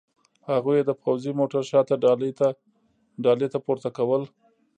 هغوی یې د پوځي موټر شاته ډالې ته پورته کول